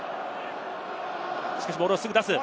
しかしボールをすぐ出す。